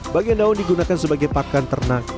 bagian daun digunakan sebagai pakan ternak